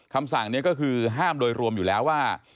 คำสั่งนี้ก็คือห้ามโดยรวมอยู่แล้วว่า